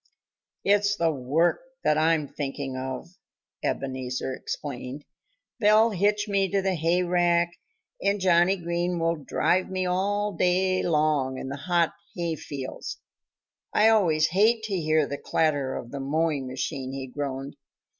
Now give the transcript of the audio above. "It's the work that I'm thinking of," Ebenezer explained. "They'll hitch me to the hayrake and Johnnie Green will drive me all day long in the hot hayfields. I always hate to hear the clatter of the mowing machine," he groaned.